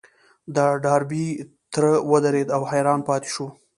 د ډاربي تره ودرېد او حيران پاتې شو.